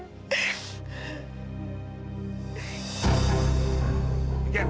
makasih pak haidam